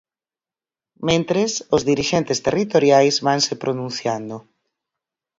Mentres, os dirixentes territoriais vanse pronunciando.